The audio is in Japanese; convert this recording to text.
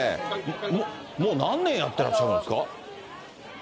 もう何年やってらっしゃるんですか。